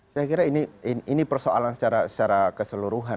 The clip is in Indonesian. saya kira ini persoalan secara keseluruhan